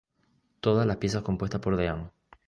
Todas las piezas compuestas por Dean.